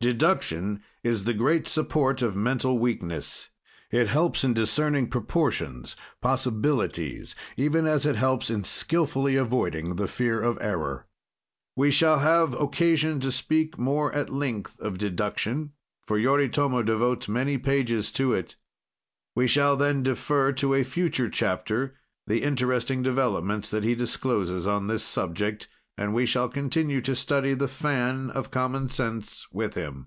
"Deduction is the great support of mental weakness. It helps in discerning proportions, possibilities, even as it helps in skilfully avoiding the fear of error." We shall have occasion to speak more at length of deduction, for Yoritomo devotes many pages to it. We shall, then, defer to a future chapter the interesting developments that he discloses on this subject, and we shall continue to study the fan of common sense with him.